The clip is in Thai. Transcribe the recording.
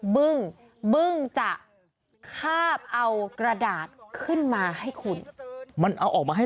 บึ้งบึ้งจะคาบเอากระดาษขึ้นมาให้คุณมันเอาออกมาให้